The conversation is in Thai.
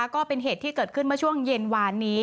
ก็เป็นเหตุที่เกิดขึ้นเมื่อช่วงเย็นวานนี้